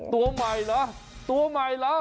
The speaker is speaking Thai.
ตัวใหม่เหรอตัวใหม่เหรอ